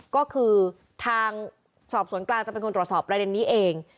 ก็คือทางสอบสวนกลางจะเป็นคนตรวจสอบประเด็นนี้เอง